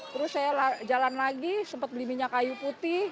terus saya jalan lagi sempat beli minyak kayu putih